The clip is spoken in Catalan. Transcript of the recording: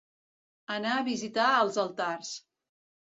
Anar a visitar els altars.